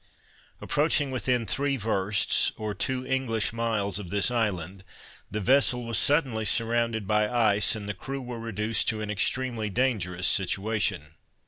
Approaching within three versts, or two English miles of this island, the vessel was suddenly surrounded by ice and the crew were reduced to an extremely dangerous situation.